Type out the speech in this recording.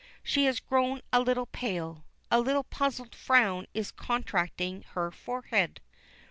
She has grown a little pale a little puzzled frown is contracting her forehead.